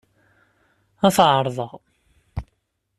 Ad t-ɛerḍeɣ.